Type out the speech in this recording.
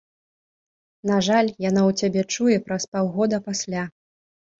На жаль, яно ў цябе чуе праз паўгода пасля.